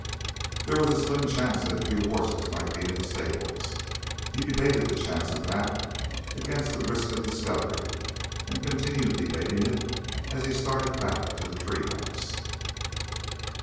There was a slim chance that a few horses might be in the stables. He debated the chance of that against the risk of discovery and continued debating it as he started back to the tree house.